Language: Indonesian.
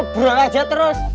buruan aja terus